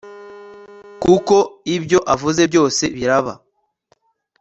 kuko ibyo avuze byose biraba